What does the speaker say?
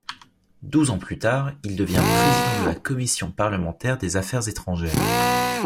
Douze ans plus tard, il devient président de la commission parlementaire des Affaires étrangères.